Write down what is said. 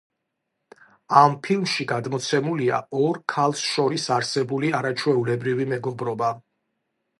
ამ ფილმში გადმოცემულია ორ ქალს შორის არსებული არაჩვეულებრივი მეგობრობა.